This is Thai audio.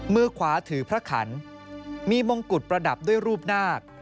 มือขวาถือพระขันมีมงกุฎประดับด้วยรูปนาค